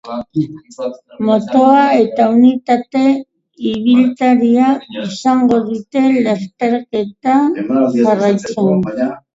Motoa eta unitate ibiltaria izango dute lasterketa jarraitzen.